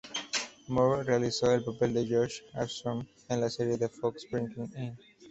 Moore realizó el papel de Josh Armstrong en la serie de Fox, "Breaking In".